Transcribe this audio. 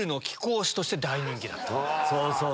そうそう！